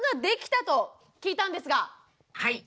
はい。